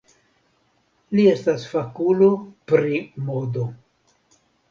Li estas fakulo pri modo.